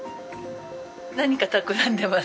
何かたくらんでます。